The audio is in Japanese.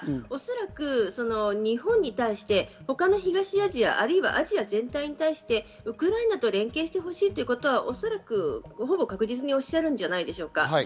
おそらく日本に対して他の東アジア、あるいはアジア全体に対してウクライナと連携してほしいということは、ほぼ確実におっしゃるんじゃないでしょうか。